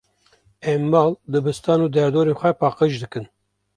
Em mal, dibistan û derdorên xwe paqij dikin.